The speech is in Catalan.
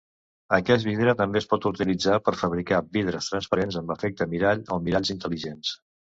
Aquest vidre també es pot utilitzar per fabricar vidres transparents amb efecte mirall o miralls intel·ligents.